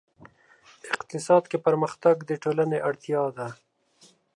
اقتصاد کې پرمختګ د ټولنې اړتیا ده.